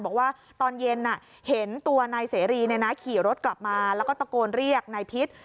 บอกว่าตอนเย็นเห็นตัวนายเสรีขี่รถกลับมาแล้วก็ตะโกนเรียกนายพิษ